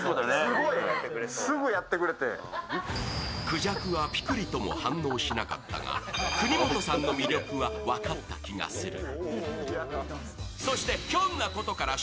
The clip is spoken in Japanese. クジャクはピクリとも反応しなかったが国本さんの魅力は分かった気がする。